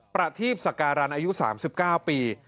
ประทีปสการันอายุ๓๙ปี